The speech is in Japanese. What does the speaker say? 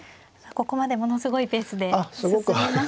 ここまでものすごいペースで進みましたね。